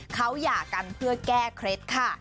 เขาหย่ากันเพื่อแก้เคล็ดค่ะ